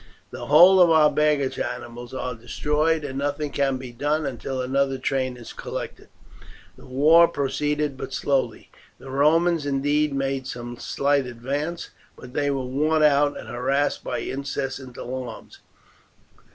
The whole of our baggage animals are destroyed, and nothing can be done until another train is collected." The war proceeded but slowly. The Romans indeed made some slight advance, but they were worn out and harassed by incessant alarms.